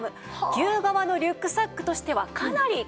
牛革のリュックサックとしてはかなり軽いんです。